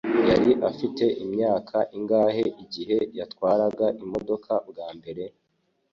Yari afite imyaka ingahe igihe yatwaraga imodoka bwa mbere?